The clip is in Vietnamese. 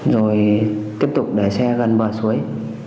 rồi tiếp tục đẩy xe gần bờ suối